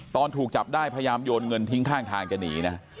ตอนถูกจับได้พยายามโยนเงินทิ้งข้างทางจะหนีนะ